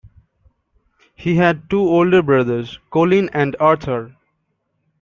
He had two older brothers, Colin and Arthur.